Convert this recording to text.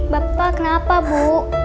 bapak kenapa bu